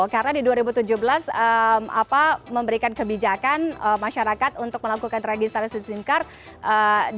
karena di dua ribu tujuh belas memberikan kebijakan masyarakat untuk melakukan registrasi sim card